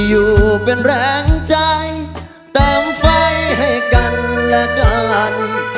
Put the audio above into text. อยู่เป็นแรงใจเติมไฟให้กันและกัน